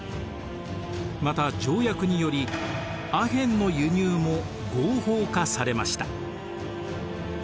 また条約によりアヘンの輸入も合法化されました。